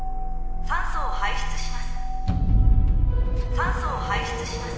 酸素を排出します